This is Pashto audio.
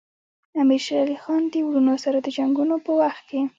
امیر شېر علي خان د وروڼو سره د جنګونو په وخت کې.